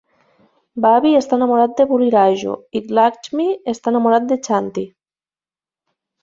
Baby està enamorat de Buliraju i Lakshmi està enamorat de Chanti.